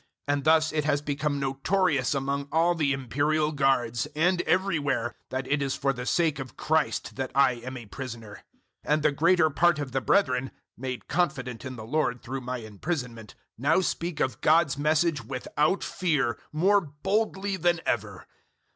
001:013 And thus it has become notorious among all the Imperial Guards, and everywhere, that it is for the sake of Christ that I am a prisoner; 001:014 and the greater part of the brethren, made confident in the Lord through my imprisonment, now speak of God's Message without fear, more boldly than ever.